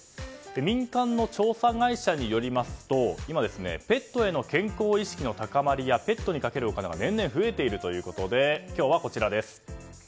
民間の調査会社によりますと今、ペットへの健康意識への高まりやペットにかけるお金が年々増えているということで今日はこちら。